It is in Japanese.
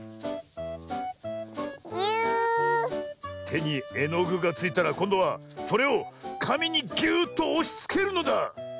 てにえのぐがついたらこんどはそれをかみにぎゅっとおしつけるのだ。